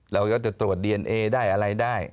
เราก็จะตรวจดีเอนเอได้อะไรได้